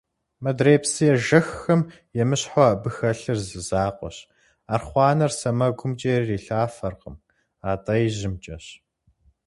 Мыдрей псы ежэххэм емыщхьу абы хэлъыр зы закъуэщ – архъуанэр сэмэгумкӏэ ирилъафэркъым, атӏэ ижьымкӏэщ!